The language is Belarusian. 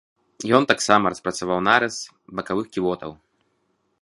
Ён таксама распрацаваў нарыс бакавых ківотаў.